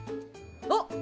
あっ！